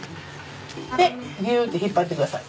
でビューって引っ張ってください。